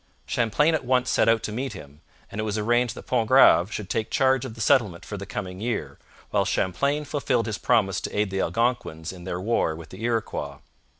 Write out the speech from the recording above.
Champlain at once set out to meet him, and it was arranged that Pontgrave should take charge of the settlement for the coming year, while Champlain fulfilled his promise to aid the Algonquins in their war with the Iroquois.